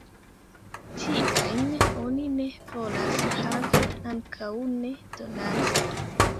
Tiajn oni ne volas havi, ankaŭ ne donace.